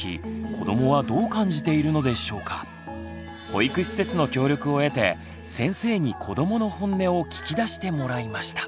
保育施設の協力を得て先生に子どもの本音を聞き出してもらいました。